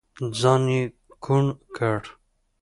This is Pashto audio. ځان يې کوڼ کړ.